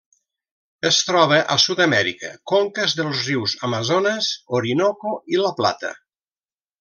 Es troba a Sud-amèrica: conques dels rius Amazones, Orinoco i La Plata.